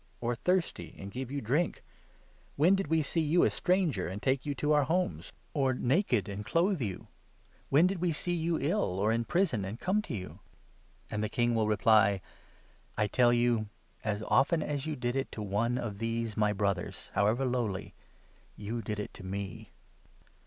or thirsty, and give you drink ? When 38 did we see you a stranger, and take you to our homes ? or 30 Enoch 10. 4. ::l /oh. 14. 5 ; Enoch 62. 5. MATTHEW, 25 26. 91 naked, and clothe you ? When did we see you ill, or in 39 prison, and come to you ?' And the King will reply ' I tell you, as often as you did it 40 to one of these my Brothers, however lowly, you did it to me.'